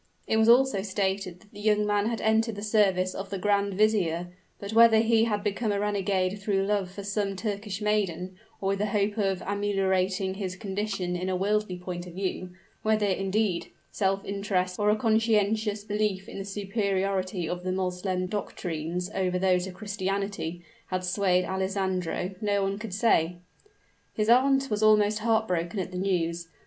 It was also stated that the young man had entered the service of grand vizier; but whether he had become a renegade through love for some Turkish maiden, or with the hope of ameliorating his condition in a worldly point of view, whether, indeed, self interest or a conscientious belief in the superiority of the Moslem doctrines over those of Christianity, had swayed Alessandro, no one could say. His aunt was almost heart broken at the news.